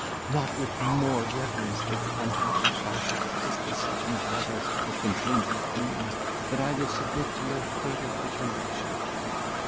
Not with more reverence does the unhappy bashaw kiss the sultan's letter that contains his doom, than I will submit to your fatal determination.